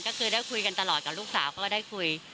ก็คือได้คุยกันตลอดกับลูกสาวก็ได้คุย